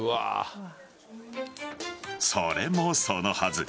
それもそのはず